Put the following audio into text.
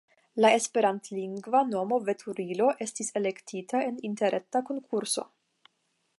La esperantlingva nomo "Veturilo" estis elektita en interreta konkurso.